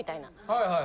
はいはい。